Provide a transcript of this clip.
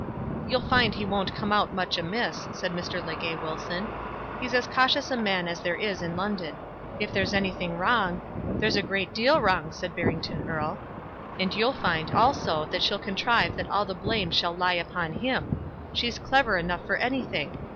"You'll find he won't come out much amiss," said Mr. Legge Wilson. "He's as cautious a man as there is in London. If there is anything wrong " "There is a great deal wrong," said Barrington Erle. "You'll find it will be on her side." "And you'll find also that she'll contrive that all the blame shall lie upon him. She's clever enough for anything!